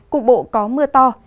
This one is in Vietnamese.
cục bộ có mưa to